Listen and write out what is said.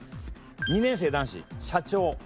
２年生男子社長。